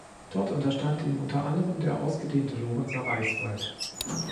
Dort unterstand ihm unter anderem der ausgedehnte Lorenzer Reichswald.